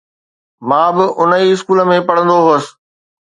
مان به ان ئي اسڪول ۾ پڙهندو هوس.